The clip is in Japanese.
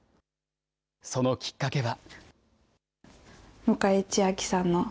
そのきっかけは。